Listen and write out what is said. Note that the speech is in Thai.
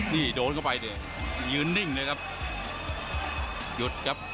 นี่โดนเข้าไปยืนนิ่งเลยครับ